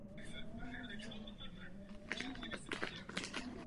Absolvoval právnickou fakultu Univerzity Karlovy.